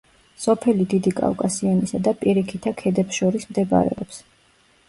სოფელი დიდი კავკასიონისა და პირიქითა ქედებს შორის მდებარეობს.